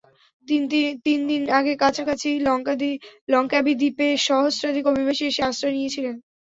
তিন দিন আগে কাছাকাছি লংকাবি দ্বীপে সহস্রাধিক অভিবাসী এসে আশ্রয় নিয়েছিলেন।